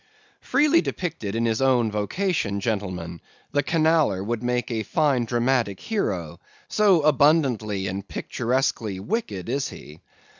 "Freely depicted in his own vocation, gentlemen, the Canaller would make a fine dramatic hero, so abundantly and picturesquely wicked is he.